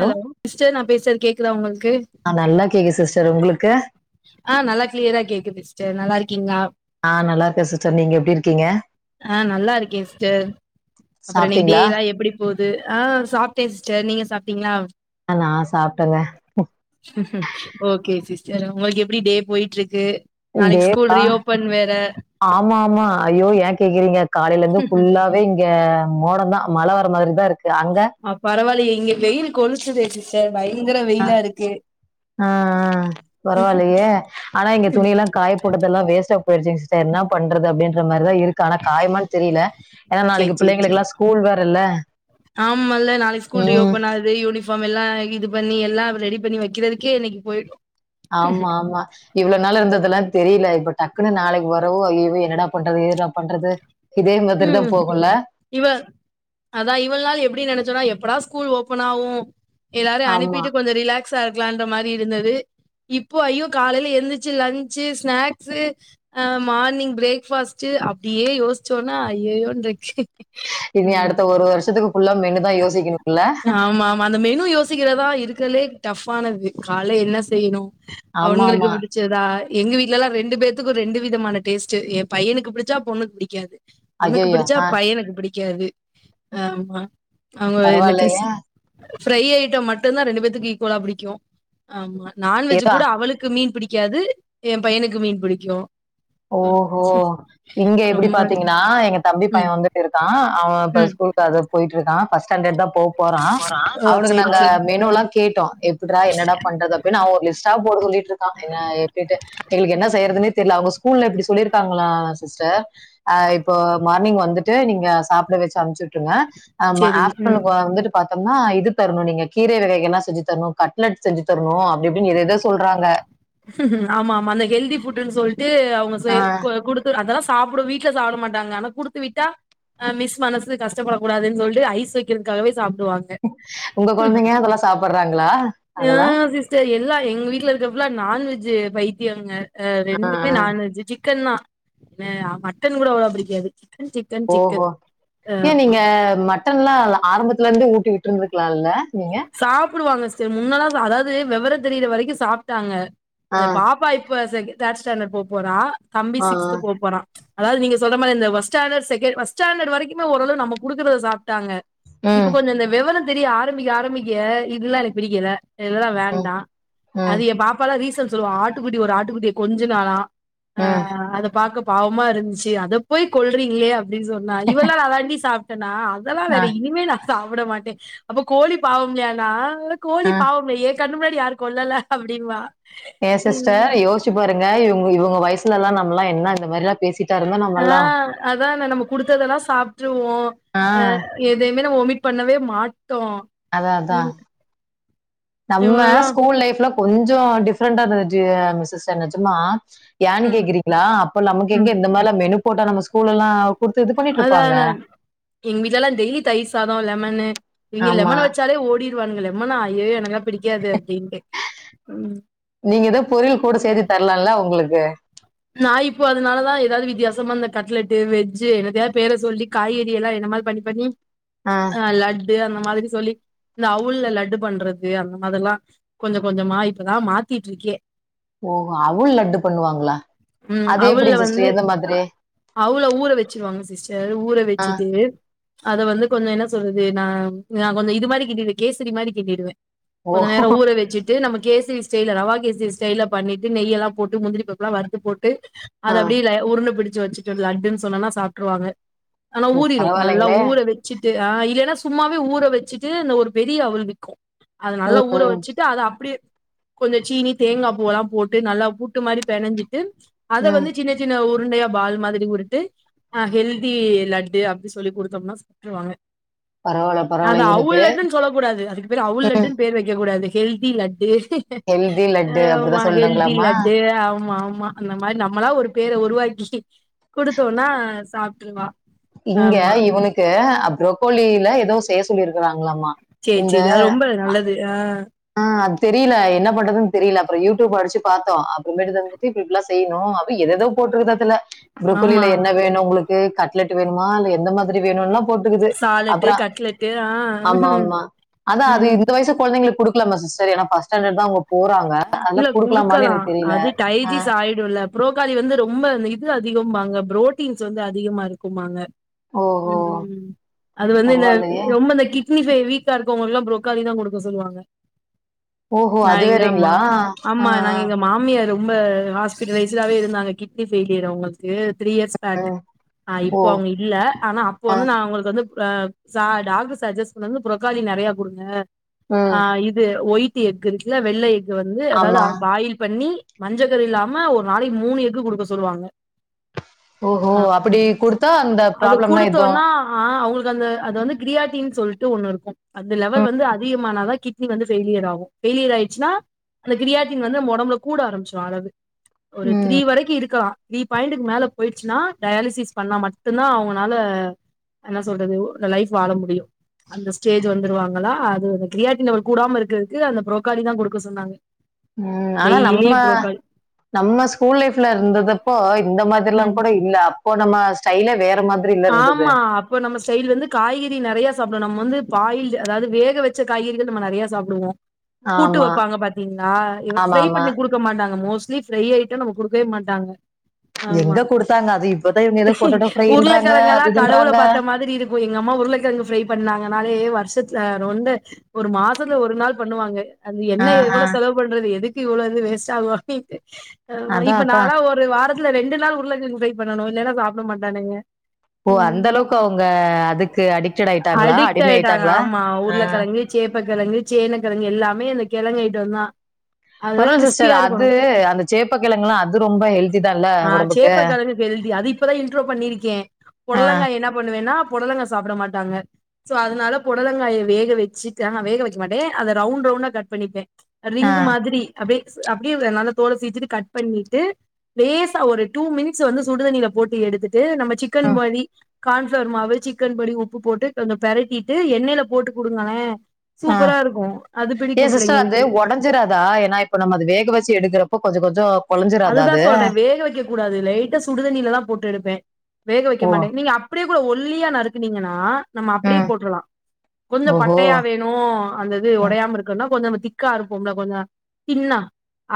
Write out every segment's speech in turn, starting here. Hello mister நா பேசறது கேக்குதா ஒங்களுக்கு ஆ நல்லா கேக்கு சிஸ்டர் உங்களுக்கு ஆ நல்லா க்ளியரா கேக்குது சிஸ்டர் நல்லா இருக்கீங்ளா ஆ நல்லா இருக்கே சிஸ்டர் நீங்க எப்டி இருக்கீங்க ஆ நல்லா இருக்கே சிஸ்டர் அப்றொ இன்னைக்கு சாப்ட்டீங்களா டேலா எப்டி போது ஆ சாப்ட்டே சிஸ்டர் நீங்க சாப்டீங்களா ஆ நா சாப்ட்டங்க ஓகே சிஸ்டர் ஒங்களுக்கு எப்டி டே போய்ட்ருக்கு இதேதா ஆமா ஆமா ஐயோ ஏ கேக்குறீங்க காலைலருந்து ஃபுல்லாவே இங்க மோடொந்தா மழை வர மாரிதா இருக்கு அங்க அ பரவாயில்லயே இங்க வெயில் கொளுத்துதே சிஸ்டர் பயங்கர வெயிலாருக்கு ஆ ஆ பரவால்லையே ஆனா இங்க துணிலா காயப் போட்டதெல்லா வேஸ்ட்டா போயிருச்சுங் சிஸ்டர் ன்னா பண்றது அப்டின்ற மேரிதா இருக்கு ஆனா காயுமான் தெரியல ஏனா சேரி நாளைக்கு சேரி சேரி பிள்ளைங்களுக்குலா ஸ்கூல் வேறல ஆமால்ல நாளைக்கு ஸ்கூல் ம் ரீஓபன் ஆகுது யூனிஃபார்ம் எல்லா இது பண்ணி எல்லா ரெடி பண்ணி வெக்கிறதுக்கே இன்னிக்கு போயிடு ஆமா ஆமா இவ்ளோ நாள் இருந்ததுலா தெரில இப்ப டக்குனு நாளைக்கு வரவு ஐயய்யோ என்னடா பண்றது எதுடா பண்றது இதே மாதிரி தான் ம் போகும்ல. இவ அதா இவள் நாள் எப்டி நெனச்சனா எப்படா ஸ்கூல் ஓபன் ஆவு எல்லாரையு ஆமா. அனுப்பிட்டு கொஞ்ச ரிலாக்ஸா இருக்லான்ற மாரி இருந்தது இப்போ ஐயோ காலைல எந்திச்சு லன்ச் ஸ்நாக்ஸு அ மார்னிங் பிரேக்ஃபாஸ்ட் அப்டியே யோசிச்சோனா ஐயயோன் இருக்கு இனி அடுத்த ஒரு வருஷத்துக்கு ஃபுல்லா மெனுதா யோசிக்கணு ஆமா ஆமா அந்த மெனு யோசிக்கிறதா இருக்கத்லே டஃப் ஆனது கால்ல என்ன செய்யணு அவனுங்களுக்கு ஆமாமா. விடிஞ் சதா எங்க வீட்லலா ரெண்டு பேத்துக்கு ரெண்டு விதமான டேஸ்ட் எ பையனுக்கு பிடிச்சா பொண்ணுக்கு பிடிக்காது பொண்ணுக்கு ஐயய்யோ! பிடிச்சா ஆ பையனுக்கு பிடிக்காது ஆமா அவ்ங்க இந்த க்றிஸ் பரவாயில்லையே! ஃப்ரை ஐட்டம் மட்டுந்தா ரெண்டு பேத்துக்கு ஈக்வலா பிடிக்கு ஆமா நான்வெஜ் ஏதோ கூட அவளுக்கு மீன் பிடிக்காது எ பையனுக்கு மீன் பிடிக்கு ம் ஓஹோ இங்க இப்டி ரொம்ப பாத்தீங்கனா எங்க தம்பி பைய ம் வந்துட்டு இருக்கா அவ இப்ப ம் ஸ்கூல் அது போயிட்ருந்தா ஃபஸ்ட் ஸ்டாண்டர்ட்தா போ போறா ஓ அவனுக்கு சேரி நாங்க சேரி மெனுலா கேட்டோ எப் புட்ரா என்னடா பண்றது அப்டின் அவ ஒரு லிஸ்டா போட சொல்லிட் இருக்கா என்ன எப்பிட்டு எங்களுக்கு என்ன செய்யறதுனே தெரியல அவங்க ஸ்கூல்ல இப்டி சொல்லிருக்காங்களா சிஸ்டர் அ இப்போ மார்னிங் வந்துட்டு நீங்க சாப்ட வெச்சு அம்ச்சு விட்ருங்க ஆம் சேரி ம் ஆஃப்டர்நூன் வந்துட்டு பாத்தோம்னா இது தரணு நீங்க கீரை வகைகள்லா செஞ்சு தரணு கட்லெட் செஞ்சு தரணு அப்டிஇப்டின் ஏதேதோ சொல்றாங்க ஆமா ஆமா அந்த ஹெல்த்தி ஃபுட்டுன் சொல்ட்டு அவங்க செ ஆ க குடு அதெல்லா சாப்ட வீட்ல சாப்ட மாட்டாங்க ஆனா குடுத்து விட்டா ஆ மிஸ் மனசு கஷ்டப்பட கூடாதேன் சொல்ட்டு ஐஸ் வெக்கறதுக்காகவே சாப்டுவாங்க உங்க கொழந்தைங்க அதெல்லா சாப்படுறாங்களா ஆ அதெல்லா எல்லா எங்க வீட்ல இருக்கது ஃபுல்லா நான்வெஜ் பைத்தியங்க ஆ ஆ ரெண்டுமே நான்வெஜ் சிக்கன்தா ஏ மட்டன் கூட அவ்ளா பிடிக்காது சிக்கன் சிக்கன் சிக்கன் ஓஹோ ஏ ஆமா நீங்க மட்டன்லா ஆரம்பத்ல இருந்தே ஊட்டி விட்ருந்துக்கலா இல்ல சாப்டுவாங்க சிஸ்டர் முன்னலா சா அதாவது விவரொ தெரிற வரைக்கு சாப்ட்டாங்க ஆ பாப்பா இப்ப செகண் தேர்ட் ஸ்டாண்டர்ட் போப்போறா தம்பி ஆ ஆ சிக்ஸ்த் போப்போறா அதாவ்து நீங்க சொல்ற மாரி இந்த வஸ்டாண்டட் செக்கெ வஸ்டாண்டட் வரைக்குமே ஓரளவு நம்ம குடுக்குறத சாப்ட்டாங்க இப்பொ ம் கொஞ்சொ அந்த வெவரொ தெரிய ஆரம்பிக்க ஆரம்பிக்க இதுல்லா எனக்கு பிடிக்கல என இதெல்லா ம் வேண்டா ம் அது ஏம் பாப்பால்லா ரீசன் சொல்லுவா ஆட்டுக்குட்டி ஒரு ஆட்டுக்குட்டிய கொஞ்சுனாலா ஆ ம் அத பாக்க பாவமா இருந்ச்சு அதப் போய் கொல்றீங்ளே அ ப்டின் சொன்னா இவள்நாள் அதாண்டி சாப்ட்டனா அதெல்லா ஆ வேற இனிமே நா சாப்ட மாட் அப்ப கோழி பாவம்லையானா ஆ கோழி பாவமில்ல ஏங் கண்ணு முன்னாடி யாரு கொல்லல அப்டின்னுவா ஏ சிஸ்டர் யோஷ்ச்சி பாருங்க இவ்ங் இவ்ங்க வயசுலல்லா நம்மலா என்ன இந்த மாரில்லா பேசிர் ஆ அதான நம்ம குடுத்ததெல்லா சாப்ட்ருவோ ஆ அ எதையுமே நம்ம ஒமிட் பண்ணவே மாட்டோ அதா அதா நம்ம இவங்கலாம் ஸ்கூல் லைஃப்ல கொஞ்சொ டிஃப்ரெண்டா இந்த [unintelligible] நெஜமா ஏன் ம், கேக்குறீங்ளா அப்ப நமக்கெங்க ம். இந்த மாரில்லா மெனு போட்டா நம்ம ஸ்கூல்லல்லா அதான எங் வீட்லல்லா டெய்லி தயிர் சாதொ லெமனு இங்க ஆமா லெமன வெச்சாலே ஓடி டுவாங்க லெமனா ஐயயோ எனக்குலா பிடிக்காது அப்டின்ட்டு ம் நீங்க ஏதோ பொரியள் கூட சேத்தி தர்லால்ல அவ்ங்களுக்கு நா இப்போ அதுனாலதா ஏதாவ்து வித்தியாசமா இந்த கட்லெட்டு் வெஜ்ஜு என்னத்தையா பேர சொல்லி காய்கறியெல்லா என்னமா பண்ணி பண்ணி ஆ ஆ லட்டு அந்த மாதிரி சொல்லி இந்த அவுள்ல லட்டு பண்றது அந்த மாதிரில்லா கொஞ்சக் கொஞ்சமா இப்பதா மாத்திட்ருக்கே ஓஹோ அவுள் லட்டு பண்ணுவாங்ளா ம் அது அவுள்ல எப்டிங் வந்து சிஸ்டர் எந்த மாதிரி அவுள ஊற வெச்சிருவாங்க சிஸ்டர் ஊற ஆ வெச்சிட்டு அத வந்து கொஞ்சொ என்ன சொல்றது நா நா கொஞ்சொ இது மாரி கிண்டிடுவே கேசரி மாரி கிண்டிடுவே ஓ கொஞ்ச நேரொ ஊற வெச்சிட்டு நம்ம கேசரி ஸ்டைல்ல ரவா கேசரி ஸ்டைல்ல பண்ணிட்டு நெய்யெல்லாம் போட்டு முந்திரி பருப் புலா வறுத்து போட்டு அத ஆ அப்டியே ல உருண்ட புடிச்சு வச்சுட்டு லட்டுன் சொன்னனா சாப்ட்டுருவாங்க ஆனா ஓ ஊறிரு நல்லா பரவாயில்லைங்களே ஊற வெ ச்சிட்டு் ஆ இல்லன்னா சும்மாவே ஊற வெச்சிட்டு இந்த ஒரு பெரிய அவுள் விக்கு அது நல்லா ம் ஊற ம் வச்சு ட்டு அத அப்டியே கொஞ்சொ சீனி தேங்கா பூவல்லாம் போட்டு நல்லா புட்டு மாரி பெனஞ்சிட்டு அத ம் வந்து சின்னச் சின்ன உருண்டையா பால் மாதிரி உருட்டு ஆ ஹெல்தி லட்டு அப்டி சொல்லி குடுத்தோம்னா சாப்ட்ருவாங்க பரவாயில்ல அதா பரவாயில்ல அவுள் இவனுக்கு லட்டுன் சொல்லக் கூடாது அதுக்கு பேர் அவுள் ம் லட்டுன் பேர் வெக்கக் கூடாது கெல்தி லட்டு ஹெல்தி லட்டு ஆமா அப்படிதான் ஹெல்தி சொல்லணுங்களாமா லட்டு ஆமா ஆமா அந்த மாரி நம்மளா ஒரு பேர உருவாக்கி குடுத்தோன்னா சாப்ட்டுருவா இங்க இவனுக்கு அப் ப்ரக்கோளில ஏதோ செய்ய சொல்லிருக்குறாங்களாமா சே சேரி அது ரொம்ப நல்லது ஆ ஆ அது தெரிய்ல என்ன பண்றதுன் தெரியில அப்பறொ யூட்யூப அடிச்சு பாத்தோ அப்றமேட்டுதா வந்துட்டு இப்டி [unintelligible] செய்ணு அவ எதெதோ போட்ருந்தாதுல ஆமா பிரோக்கோளில என்ன வேணு உங்களுக்கு கட்லெட் வேணுமா இல்ல எந்த மாதிரி வேணுனா போட்டுக்குது சாலட்டு அப்பறொ கட்லெட்டு ஆ ஆமா ஆமா அதா அது ம் இந்த வைசு கொழந்தைங்களுக்கு குடுக்லாம சிஸ்டர் ஏனா ஃபஸ்டான்டட்தா அவ்ங்க போறாங்க இல்ல அதெல்லாம் குடுக்கலாமான்னு குடுக்கலா எனக்கு தெரியல. அது ஆ. டைஜிஸ் ஆய் டுல்ல புரோக்காலி வந்து ரொம்ப அந்த இது அதிகொம்பாங்க ப்ரோட்டீன்ஸ் வந்து அதிகமா இருக்குமாங்க ஓஹோ! ம் அது வந்து என்ன பரவாயில்லையே! ரொம்ப இந்த கி ட்னி ஃபை வீக்கா இருக்கொவங்களா ப்ரோக்காலிதா குடுக்க சொல்வாங்க ஓஹோ அது வேறைங்ளா ஆமா நாங்க எங்க மாமியார் ரொம்ப ஹாஸ்பிடலைஸ்டாவே இருந்தாங்க கிட்னி ஃபெயிலியர் அவுங்களுக்கு த்ரீ இயர்ஸ் ம். ஆ ஓ! இப்போ அவுங்க இல்ல ஆனா அப்ப ஆ, வந்து நா அவுங்களுக்கு வந்து டாக்டர் சஜஸ் புறோக்காளி நறைய கொடுங்க ஆ ம். இது ஒய் ட் எக்கு இருக்குல வெள்ளை எக்கு வந்து அதாவது ஆமா. பாயில் பண்ணி மஞ்சக்கரு இல்லாம ஒரு நாளைக்கு மூணு எக்கு குடுக்க சொல்லுவாங்க ஓஹோ! அப்படி குடுத்தா அந்த அது ப்ராப்ளம்லாம் எதுவும் குடுத்தோனா ஆ அவுங்களுக்கு அந்த அது வந்து கிரியட்டி சொல்லிட்டு ஒண்ணு இருக்கு அந்த ம், லெவல் வந்து அதிகமானாதா கிட்னி வந்து ஃபெயிலியர் ஆகு ஃபெய்லியர் ஆயிருச்சுனா அந்த கிரியாட்டின் வந்து நம்ம உடம்புல கூட ஆரம்பிச்சுரு அதாது ஒரு த்ரீ ம், வரைக்கி இருக்கலா த்ரீ பாயிண்ட்டுக்கு மேல போயிடுச்சுன்னா டயாலிசிஸ் பண்ணா மட்டுந்தா அவுங்கனால என்ன சொல்றது இந்த லைஃப் வாழ முடியு அந்த ஸ்டேஜ் வந்துருவாங்களா அது அந்த கிரியாட்டின் லெவல் கூடாம இருக்றக்கு அந்த புரோக்காலி தா குடுக்க சொன்னாங்க ம் ஆனா நம்ம டெய்லி ப்ரோக்காலி நம்ம ஸ்கூல் லைஃப்ல இருந்ததுப்போ இந்த மாதிரில்லா ம் கூட இல்ல அ இப்போ நம்ம ஸ்டைலே வேற மா ஆமா இப்போ நம்ம ஸ்டைல் வந்து காய்கறி நெறைய சாப்டுவோ நம்ம வந்து பாயில்டு அதாது வேக வச்ச காய்கறிகள் நம்ம நெறையா சாப்டுவோ கூட்டு ஆமா. வெப்பாங்க பாத்தீங்களா ஃப்ரை ஆமாமா. பண்ணி குடு க்க மாட்டாங்க மோஸ்ட்லி ஃப்ரை ஐட்டோ நம்ம குடுக்கவே மாட்டாங்க ஆமா எங்க குடுத்தாங்க அது இப்பதா இவுங்க எதோ போட்டேடோ ஃப்ரைன்றாங்க க்கிழங்கெல்லா கடவுள பாத்த மாதிரி இருக்கு எங்க அம்மா உருளக்கிழங்கு ஃப்ரை பண்ணாங்கனாலே வருஷத்துல அரொண்டு ஒரு மாசத்துல ஒரு நாள் பண்ணுவாங்க அது எண்ணெ ஆஹ் எவ்வளோ ஆஹ் செலவு பண்றது எதுக்கு இவ்ளோ இது வேஸ்ட் ஆகு அப்டிண்டு ஆமா அதான் இப்ப அதான் நாளா ஒ ஒரு வாரத்துல ரெண்டு நாள் உருளக்கிழங்கு ஃப்ரை பண்ணணு இல்லன்னா சாப்ட மாட்டானுங்க ஓ ம் அந்த அளவுக்கு அவுங்க அதுக்கு அடிக்டட் ஆயிட்டாங்களா அடிமை ஆயிட்டாங்களா ஆ சேப்பக்கெழங்கு சேனக்கெழங்கு எல்லாமே இந்த கிழங்கு ஐட்டோந்தா பரவல்ல சிஸ்டர் அது அந்த சேப்ப கிழங்கல்லா அது ரொம்ப ஹெல்தி தால ஆ ஒடம்புக்கு சேப்பக்கிழங்கு ஹெல்தி அது இப்பதா இன்ட்ரோ பண்ணிருக்கே ஆஹ் புடலங்காய என்ன பண்ணுவேனா புடலங்கா சாப்ட மாட்டாங்க சோ அதனால புடலங்காய வேக வெச்சு ஆகா வேக வைக்க மாட்டே அத ரவுண்ட் ரவுண்டா கட் பண்ணிப்பே ரிங் ஆஹ் மாதிரி அப்டியே அப்டியே நல்லா தோல சீச்சிட்டு கட் பண்ணிட்டு லேசா ஒரு டூ மினிட்ஸ் வந்து சுடுதண்ணில போட்டு எடுத்துட்டு நம்ம சிக்கன் உம், மாரி கான்ஃப்ளவர் மாவு சிக்கன் பொடி உப்பு போட்டு கொஞ்சோ பெரட்டிட்டு எண்ணெய்ல போட்டு குடுங்கலே ஆஹ். சூப்பரா இருக்கு அது பிடிக்கு பிள்ளைங்களுக்கு பிஞ்சிறாதா ஏன்னா இப்ப நம்ம அது வேக வெச்சு எடுக்குற ப்ப கொஞ்ச கொஞ்சோ அதுதா சொல்றே வேக வைக்க கூடாது லைட்டா சுடுதண்ணில தா போட்டு எடுப்பே வேக வைக்க ஓ மாட்டே நீங்க அப் டியே கூட ஒல்லியா நறுக்குனீங்கன்னா நம்ம அப்டியே ம் போட்றலா கொஞ்சோ ஓஹோ பட்டையாவே னு அந்த இது ம், உடையாம இருக்கனா கொஞ்சோ நம்ம திக்கா அருப்போம்ல கொஞ்ச தின்னா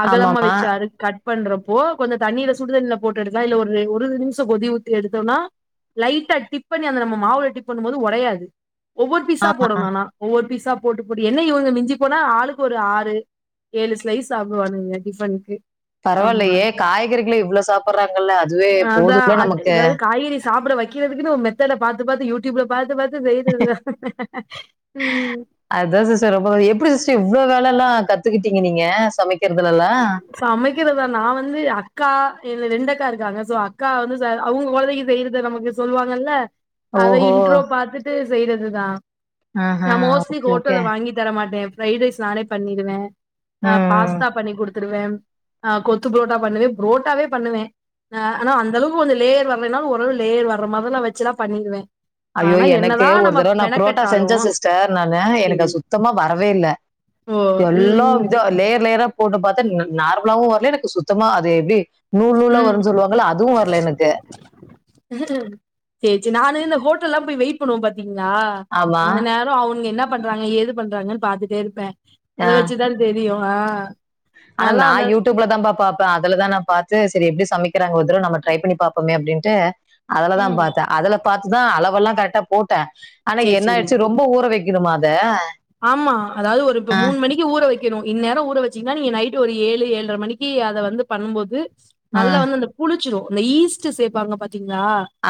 அகலமா ஆமாமா வெச்சு அரு கட் பண்றப்போ கொஞ்சோ தண்ணில சுடுதண்ணில போட்டு எடுக்கலா இல்ல ஒரு ஒரு நிமிஷோ கொதி உட்டு எடுத்தோனா லைட்டா டிப் பண்ணி அந்த நம்ம மாவுல டிப் பண்ணும் போது ஒடயாது ஒவ்வொரு பீஸா ஆ, போடனு ஆனா ஒவ்வொரு பீஸா போட்டு போட்டு என்ன இவுங்க மிஞ்சி போனா ஆளுக்கு ஒரு ஆறு ஏழு ஸ்லைஸ் சாப்டுவானுங்க டிஃபனுக்கு ஆமா பரவாயில்லையே காய்கறிகளை இவ்வளவு சாப்பிடுறாங்கல்ல அதுவே அதா போதும்ல அது நமக்கு எதாது காய்கறி சாப்ட வைக் கிறதுக்குனு ஒரு மெத்தட பாத்து பாத்து யூடூப்ல பாத்து பாத்து செய்றது உம் அதா சிஸ்டர் ரொம்ப எப்டி சிஸ்டர் இவ்ளோ வேலல்லா கத்துக்கிட்டீங்க நீங்க சமைக்கிறதுலல்லா சமைக்குறதா நான் வந்து அக்கா இல்ல எ ரெண்டக்கா இருக்காங்க சோ அக்கா வந்து ச அவுங்க கொழந்தைக்கு செய்றத நமக்கு சொல்லுவாங்கல்ல அத ஓஹோ! இன்ட்ரோ பாத்துட்டு செய்றது தான் ஆஹா, நா மோட்லி ஓகே, ஓகே. ஹோட்டல்ல வாங்கி தர மாட்டேன் ஃபிரைட் ரைஸ் நானே பண்ணிடுவே ஆ ம். பாஸ்தா குடுத்துருவே ஆ கொத்து புரோட்டா பண்ணுவே புரோட்டாவே பண்ணுவே அ ஆன அந்த அளவுக்கு கொஞ்சோ லேர்யர் வரல நாலு ஓரளவு லேயர் வர்ற மாரிலா வச்சுலா பண்ணிருவே ஐயோ எனக்கு ஒரு தடவ நா புரோட்டா செஞ்சே மெனக்கெட்டாலும் சிஸ்டர் நானு எனக்கு சேரி அது சுத்தமா வரவேல்ல ஓ ம் எல்லா ம் விதோ லேயர் லேயரா போட்டு பாத்தா ந நார்மலாவு வரல எனக்கு சுத்தமா அது எப்டி நூல் நூலா ம் வருனு சொல்லுவாங்கல அதுவு வரல எனக்கு சேரி சேரி நானு இந்த ஹோட்டல்லாம் போய் வெயிட் பண்ணுவோ பாத்தீங்களா ஆமா. அந்த நேரம் அவனுக என்ன ப் என்ன பண்றாங்க ஏது பண்றாங்கன்னு பாத்துட்டே இருப்பேன் அத ஆ. வச்சுதான் தெரியும் ஆனா நான் யூடியூப்ல தான் பாப்பாப் பேன் அதுலதான் நான் பாத்து சேரி எப்படி சமைக்கிறாங்க ஒருதடவ நம்ம ட்ரை பண்ணி பாப்போமே அப்டின்ட்டு அதுலதான் ம் பாத்தேன் அதுல பாத்துதான் அளவெல்லாம் கரெக்டா போட்டேன் ஆனா சேரி என்ன சேரி ஆயிருச்சு ரொம்ப ப ஊற வைக்கனுமா அத ஆமா அதாவது ஒரு இப்ப மூணு மணி க்கு ஊற வைக்கணும் இந்நேரம் ஊற வச்சீங்கன்னா நீங்க நைட் ஒரு ஏழு ஏழரை மணிக்கு அதை வந்து பண்ணும் போது நல்லா ம், வந்து அந்த புளிச்சிரும் அந்த ஈஸ்ட் சேப்பாங்க பாத்தீங்களா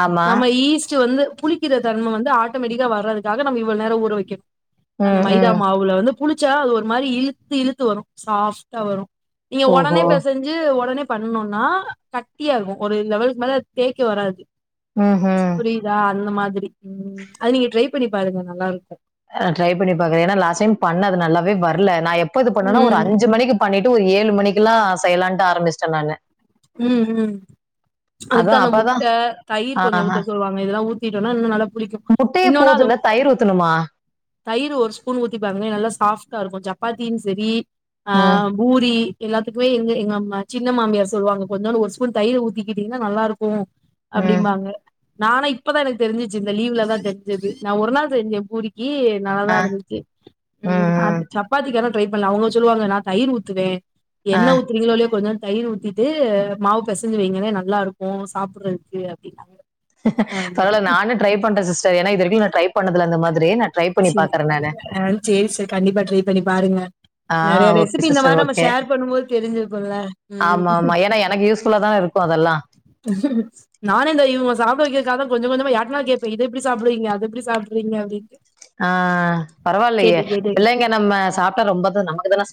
ஆமா நம்ம ஈஸ்ட் வந்து புளி கிற தன்ம வந்து ஆட்டோமெட்டிக்கா வறதுக்காக நம்ம இவ்ளவு நேரம் ஊற வக்கி அந்த ம் மைதா ம் மாவுல வந்து புளிச்சா அது ஒரு மாரி இழுத்து இழுத்து வரும் சாஃப் ட்டா வரும் நீங்க உடனே ஓஹோ பேசஞ் சு உடனே பண்ணனோம்னா கட்டியாருக்கும் ஒரு இந்தளவுக்கு மேல தேய்க்க வராது ம் ம் புரியுதா அந்த மாதிரி உம் அது நீங்க ட்ரை பண்ணி பாருங்க நல்லா இருக்கும் அ ட்ரை பண்ணி பாக்கறேன் ஏனா லாஸ்ட் டைம் பண்ண அது நல்லாவே வரல நான் எப்போ பண்ணனா ஒரு ம் அஞ்சுமணிக்கு பண்ணிட்டு ஒரு ஏழு மணிக்கலாம் செய்யலான்டு ஆரம்பிச்சிட்டேன் நான்னு உம் உம் அதுக்குத்தான் அதான் அந்த அப்பதான் முட்ட தயிர் கொஞ்சம் ஆஹா. ஊத்த சொல்வாங்க இதெல்லாம் ஊத்திட்டோன்னா இன்னும் நல்லா புளிக்கும் முட்டையே போதுல்ல தயிர் ஊத்தணுமா தயிர் ஒரு ஸ்பூன் ஊத்திப்பாருங்களே நல்லா சாஃப்டா இருக்கும் சப்பாத்தியு சேரி அ ம் பூரி எல்லாத்துக்குமே எங்க எங்க அம் சின்ன மாமியார் சே சொல்லுவாங்க கொஞ்சோண்டு ஒரு ஸ்பூன் தயிர் ஊத்திக்கிட்டீன்னா நல்லா இருக்கும் ம் அப்டிம்பாங்க நானா இப்பதான் எனக்கு தெரிஞ்சிச்சு இந்த லீவ்ல தான் தெரிஞ்சிது நான் ஒரு நாள் செஞ்சேன் பூரி யே நல்லாதா இருந்துச்சு ம் உம் அது ம். சப் சப்பாத்திக்கு வேனா ட்ரை பண்ணலாம் அவங்க சொல்லுவாங்க நான் தயிர் ஊத்துவேன் ஆ, என்ன ஊத்துறீங்களோ இல்லையோ கொஞ்ச தயிர் ஊத்தி து மாவு பசஞ்சு வைங்களே நல்லா இருக்கும் சாப்பிடுறதுக்கு அப்டின்னாங்க ஆமா பரவால்ல நானும் ட்ரை பண்றேன் சிஸ்டர் ஏன்னா இது வரைக்கும் நா ட்ரை பண்ணதுல்ல அந்த மாதிரி ட்ரை பண்ணி சேரி பாக்குறேன் நானு ஆ சேரி சிஸ்டர் கண்டிப்பா ட்ரை பண்ணி பாருங்க ஆ நறைய ஓகே ரெசிபி இந்த சிஸ்டர் மாரி நம்ம ஓகே ஷேர் பண்ணும்போது தெரிஞ்சிருக்கோல்ல உம் இப்ப அதெல்லாம் [unintelligible] நானே இந்த இவங்க சாப்ட வைக்கதுக்கா கொஞ்ச கொஞ்சமா யாருட்டனாலும் கேப்பேன் இத சாப்டுவீங்க அத எப்டி சாப்ட்றீங்க அப்படின்னு ஆஹ் பரவால்லையே பிள்ளைங்க நம்ம சாப்பிட்டா ரொம்பதா நமக்குதான ச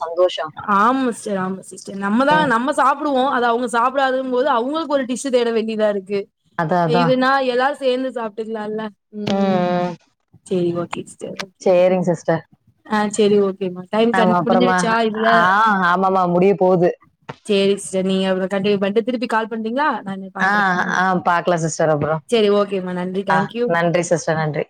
ஆம்ம ச ஆமா சிஸ்டர் நம்மதா ம். நம்ம சாப்டுவோ அது அவங்க சாப்டாதுங் போது அவுங்குளுக் ஒரு டிஷ்சு தேட வேண்டியதா இருக்கு அதான் அதான். இதுனா எல்லாரு சேந்து சாப்ட்டுக்கலால்ல ம், உம் ம். சரிங்க சிஸ்டர். ஆ சேரி ஓகே மா டைம் கரெக்ட் அ முடிஞ்சுடுச் ஆ ஆமாம்மா முடிய போது சேரி சிஸ்டர் நீங்க எவ்ளோ கண்டினியூ பண்ணிட் திருப்பியு கால் பண்றீங்களா ஆ பாக்குறே ம் ஆ பாக்கலா சிஸ்டர் அப்பறோ சேரி ஓகேமா நன்றி அ தேங்க்யூ நன்றி சிஸ்டர் நன்றி